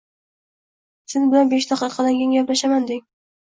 Sen bilan besh daqiqadan keyin gaplashaman” deng.